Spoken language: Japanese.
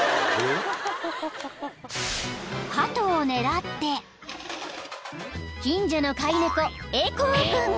［ハトを狙って近所の飼い猫エコー君が］